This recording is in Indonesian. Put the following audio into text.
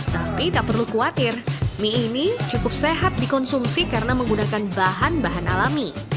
tapi tak perlu khawatir mie ini cukup sehat dikonsumsi karena menggunakan bahan bahan alami